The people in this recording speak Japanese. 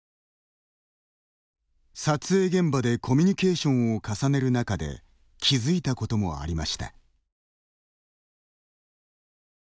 撮影現場でコミュニケーションを重ねる中で気付いたこともありました。